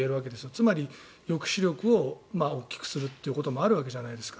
つまり、抑止力を大きくするということもあるわけじゃないですか。